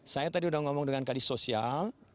saya tadi udah ngomong dengan kadis sosial